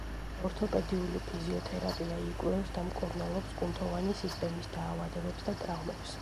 ორთოპედიული ფიზიოთერაპია იკვლევს და მკურნალობს კუნთოვანი სისტემის დაავადებებს და ტრავმებს.